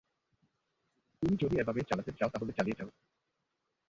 তুমি যদি এভাবেই চালাতে চাও তাহলে চালিয়ে যাও।